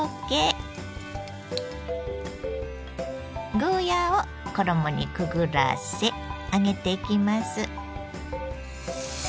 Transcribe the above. ゴーヤーを衣にくぐらせ揚げていきます。